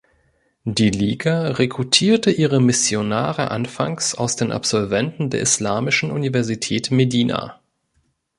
Die Liga rekrutierte ihre Missionare anfangs aus den Absolventen der Islamischen Universität Medina.